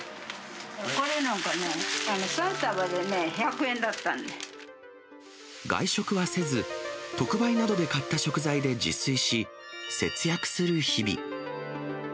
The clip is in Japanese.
これなんかね、３束で１００円だ外食はせず、特売などで買った食材で自炊し、節約する日々。